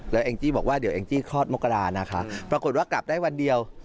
แล้วแองจี้บอกว่าเดี๋ยวแองจี้คลอดมกรานะคะปรากฏว่ากลับได้วันเดียว